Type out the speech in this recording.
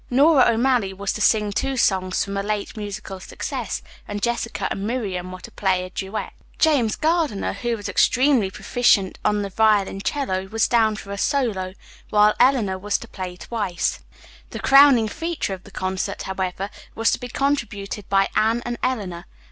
Nora O'Malley was to sing two songs from a late musical success, and Jessica and Miriam were to play a duet. James Gardiner, who was extremely proficient on the violincello, was down for a solo, while Eleanor was to play twice. The crowning feature of the concert, however, was to be contributed by Anne and Eleanor.